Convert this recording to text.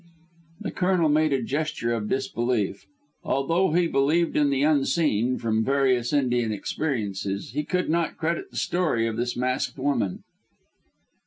The Colonel made a gesture of disbelief. Although he believed in the unseen, from various Indian experiences, he could not credit the story of this masked woman.